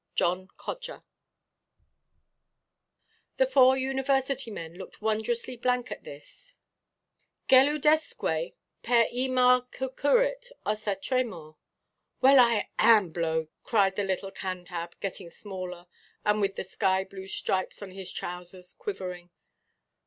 "JOHN CODGER." The four university men looked wondrously blank at this—"gelidusque per ima cucurrit ossa tremor." "Well, I am blowed!" cried the little Cantab, getting smaller, and with the sky–blue stripes on his trousers quivering.